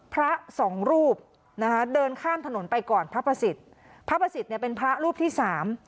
พระสองรูปนะคะเดินข้ามถนนไปก่อนพระประสิทธิ์พระประสิทธิ์เนี่ยเป็นพระรูปที่สาม